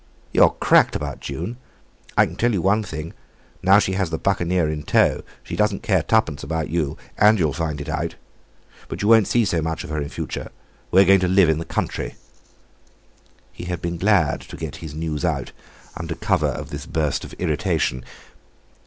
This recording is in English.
"You're cracked about June! I can tell you one thing: now that she has the Buccaneer in tow, she doesn't care twopence about you, and, you'll find it out. But you won't see so much of her in future; we're going to live in the country." He had been glad to get his news out under cover of this burst of irritation.